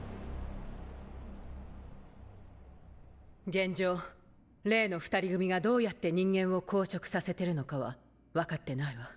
現状例の２人組がどうやって人間を硬直させてるのかは分かってないわ。